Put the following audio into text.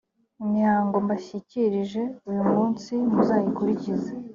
imihango mbashyikirije uyu munsi muzayikurikize.